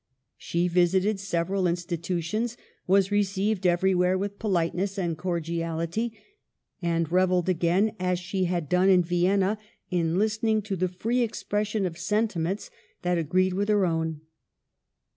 She vis ited several institutions, was received everywhere with politeness £hd cordiality, and revelled again, as she had done in Vienna, in listening to the free expression of sentiments that agreed with her own.